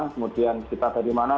kemudian kita dari mana